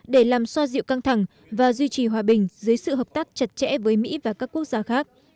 để làm xoa dịu căng thẳng và duy trì hòa bình dưới sự hợp tác chặt chẽ với mỹ và các quốc gia khác